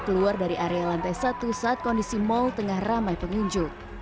keluar dari area lantai satu saat kondisi mal tengah ramai pengunjung